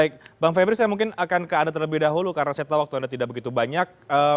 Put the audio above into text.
baik bang febri saya mungkin akan ke anda terlebih dahulu karena saya tahu waktu anda tidak begitu banyak